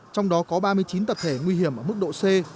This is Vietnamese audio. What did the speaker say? trong đó có ba mươi chín tập thể nguy hiểm ở mức độ c